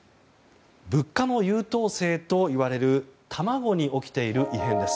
物価の優等生といわれる卵に起きている異変です。